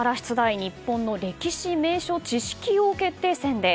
日本の歴史名所知識王決定戦です。